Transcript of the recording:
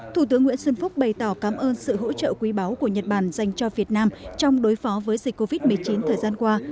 thủ tướng nguyễn xuân phúc bày tỏ cảm ơn sự hỗ trợ quý báu của nhật bản dành cho việt nam trong đối phó với dịch covid một mươi chín thời gian qua